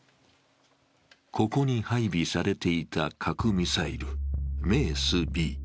ここに配備されていた核ミサイル、メースＢ。